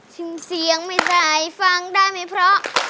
ถึงเสียงไม่ได้ฟังได้ไหมเพราะ